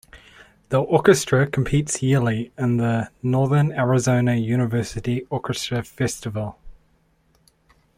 The orchestra competes yearly in the Northern Arizona University Orchestra Festival.